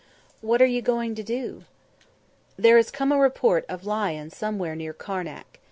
"What are you going to do?" "There has come a report of lion somewhere near Karnak.